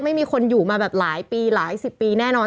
ไม่มีคนอยู่มาแบบหลายปีหลายสิบปีแน่นอน